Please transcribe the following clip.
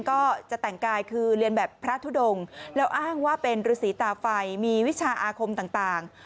ก็จะแต่งกายคือเรียนแบบพระทุดงแล้วอ้างว่าเป็นฤษีตาไฟมีวิชาอาคมต่าง